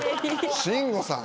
慎吾さん。